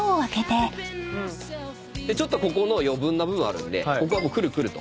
ここの余分な部分あるんでここはもうくるくると。